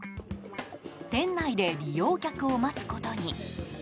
店内で利用客を待つことに。